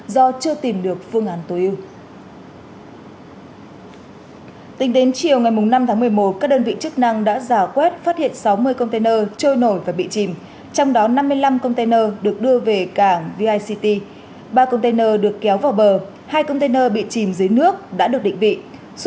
do chưa tìm được tài sản công tác trục bớt và xử lý sự cố đã phải tạm dừng